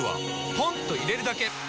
ポンと入れるだけ！